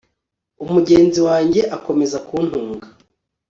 umugenzi wanjye akomeza kuntunga